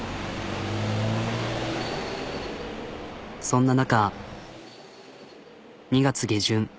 そんな中２月下旬。